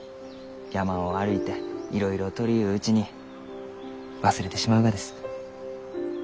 山を歩いていろいろ採りゆううちに忘れてしまうがです。